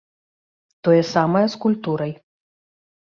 Тое самае з культурай.